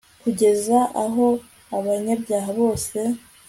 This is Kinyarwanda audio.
kugeza aho abanyabyaha bose